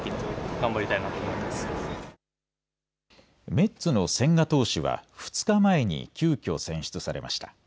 メッツの千賀投手は２日前に急きょ選出されました。